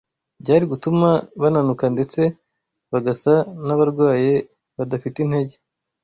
byari gutuma bananuka ndetse bagasa n’abarwaye badafite intege